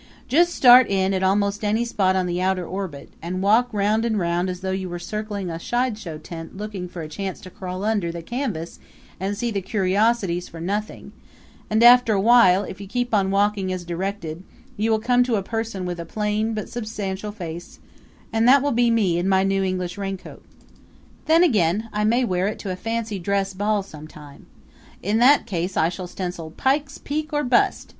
Just start in at almost any spot on the outer orbit and walk round and round as though you were circling a sideshow tent looking for a chance to crawl under the canvas and see the curiosities for nothing; and after a while, if you keep on walking as directed, you will come to a person with a plain but substantial face, and that will be me in my new English raincoat. Then again I may wear it to a fancy dress ball sometime. In that case I shall stencil Pike's Peak or Bust!